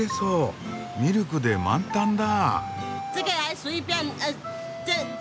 ミルクで満タンだ。